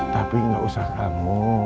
tapi gak usah kamu